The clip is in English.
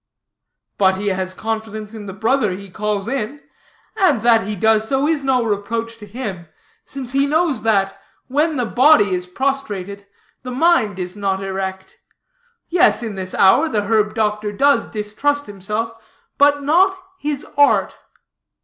"But he has confidence in the brother he calls in. And that he does so, is no reproach to him, since he knows that when the body is prostrated, the mind is not erect. Yes, in this hour the herb doctor does distrust himself, but not his art."